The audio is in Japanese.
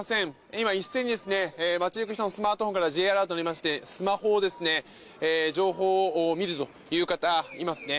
今、一斉に街行く人のスマートフォンからＪアラートが鳴りましてスマホで情報を見る方いますね。